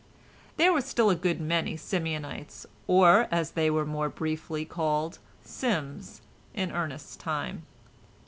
There were still a good many Simeonites, or as they were more briefly called "Sims," in Ernest's time.